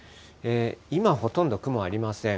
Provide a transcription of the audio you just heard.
今、ほとんど雲ありません。